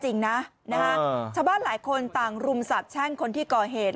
จริงนะชาวบ้านหลายคนต่างรุมสาบแช่งคนที่ก่อเหตุ